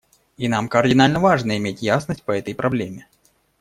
И нам кардинально важно иметь ясность по этой проблеме.